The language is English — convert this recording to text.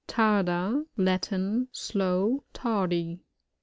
Tarda. — ^Latin. Slow, tardy.